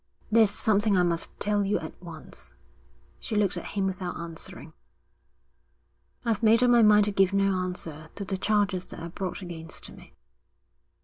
'There's something I must tell you at once.' She looked at him without answering. 'I've made up my mind to give no answer to the charges that are brought against me.'